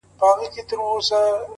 • د ګیلاس لوري د شراب او د مینا لوري_